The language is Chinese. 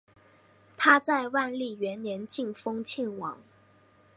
他在万历元年晋封庆王。